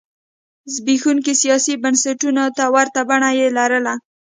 زبېښونکو سیاسي بنسټونو ته ورته بڼه یې لرله.